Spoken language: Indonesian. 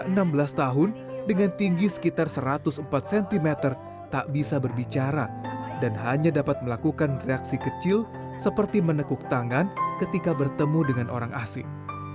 selama enam belas tahun dengan tinggi sekitar satu ratus empat cm tak bisa berbicara dan hanya dapat melakukan reaksi kecil seperti menekuk tangan ketika bertemu dengan orang asing